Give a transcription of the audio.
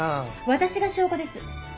私が証拠です。